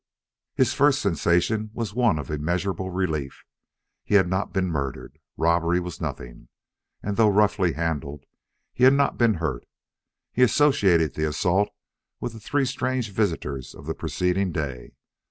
His first sensation was one of immeasurable relief. He had not been murdered. Robbery was nothing. And though roughly handled, he had not been hurt. He associated the assault with the three strange visitors of the preceding day.